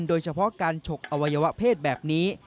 โดยเฉพาะการฉกอวัยวะเพศแบบนี้